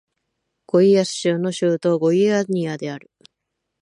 ゴイアス州の州都はゴイアニアである